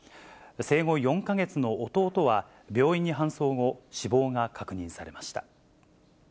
生後４か月の弟は、病院に搬送後、死亡が確認されました。